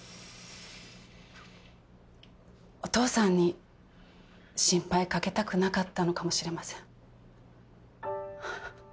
お父さんに心配かけたくなかったのかもしれません。